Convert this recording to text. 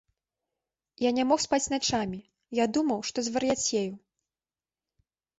Я не мог спаць начамі, я думаў, што звар'яцею.